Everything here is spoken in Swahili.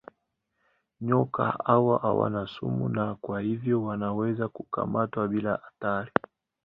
Nyoka hawa hawana sumu na kwa hivyo wanaweza kukamatwa bila hatari.